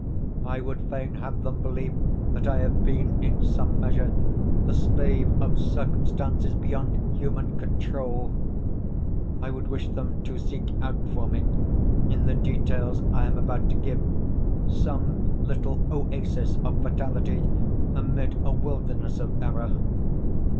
I would fain have them believe that I have been, in some measure, the slave of circumstances beyond human control. I would wish them to seek out for me, in the details I am about to give, some little oasis of fatality amid a wilderness of error.